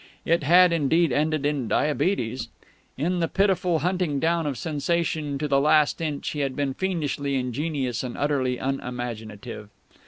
It had, indeed, ended in diabetes. In the pitiful hunting down of sensation to the last inch he had been fiendishly ingenious and utterly unimaginative.